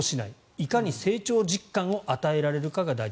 いかに成長実感を与えられるかが大事。